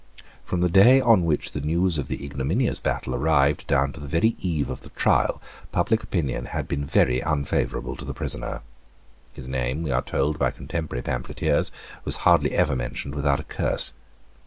From the day on which the news of the ignominious battle arrived, down to the very eve of the trial, public opinion had been very unfavourable to the prisoner. His name, we are told by contemporary pamphleteers, was hardly ever mentioned without a curse.